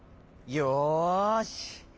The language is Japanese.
よし！